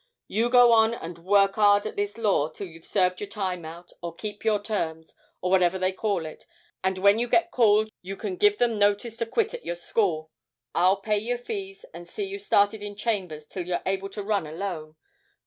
You go on and work 'ard at this Law till you've served your time out, or kept your terms, or whatever they call it, and when you get called you can give 'em notice to quit at your school. I'll pay your fees and see you started in chambers till you're able to run alone.